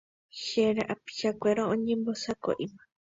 Che rapichakuéra oñembosako'íma